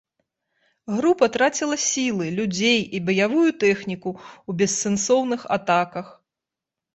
Група траціла сілы, людзей і баявую тэхніку ў бессэнсоўных атаках.